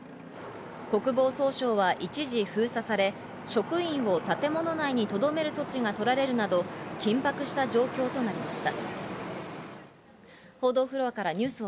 国防総省は一時封鎖され、職員を建物内にとどめる措置が取られるなど、緊迫した状況となりました。